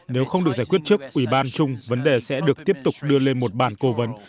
nếu không được giải quyết trước ủy ban chung vấn đề sẽ được tiếp tục đưa lên một bàn cố vấn